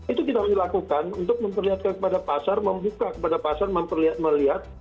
itu kita harus dilakukan untuk memperlihatkan kepada pasar membuka kepada pasar melihat